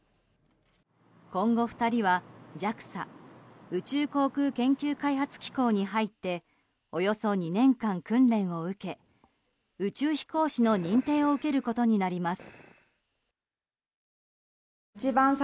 今後２人は、ＪＡＸＡ・宇宙航空研究開発機構に入っておよそ２年間、訓練を受け宇宙飛行士の認定を受けることになります。